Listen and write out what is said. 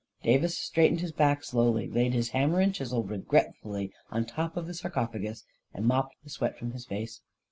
Davis straightened his back slowly, laid his ham mer and chisel regretfully on top of the sarcophagus, and mopped the sweat from his face.